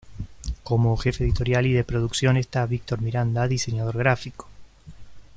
Como Jefe editorial y de producción está Victor Miranda, Diseñador Gráfico.